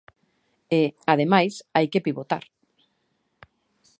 E, ademais, hai que pivotar.